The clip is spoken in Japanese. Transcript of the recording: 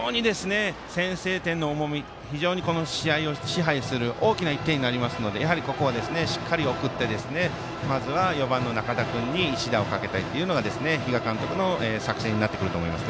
先制点の重み非常にこの試合を支配する大きな１点になりますのでやはりここはしっかり送ってまずは４番の仲田君に一打をかけたいというのが比嘉監督の作戦になってくると思います。